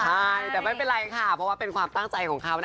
ใช่แต่ไม่เป็นไรค่ะเพราะว่าเป็นความตั้งใจของเขานะ